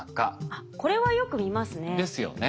あっこれはよく見ますね。ですよね。